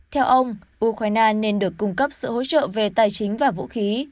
theo ông ukraine nên được cung cấp sự hỗ trợ về tài chính và vũ khí